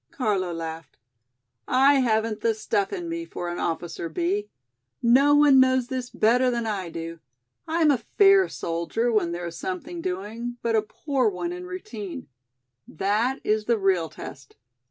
Carlo laughed. "I haven't the stuff in me for an officer, Bee. No one knows this better than I do. I am a fair soldier when there is something doing, but a poor one in routine. That is the real test.